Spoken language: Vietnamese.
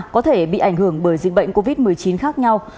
có thể bị ảnh hưởng bởi dịch bệnh covid một mươi chín khác nhau